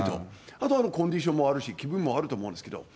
あと、コンディションもあるし、気分もあると思うんですけど。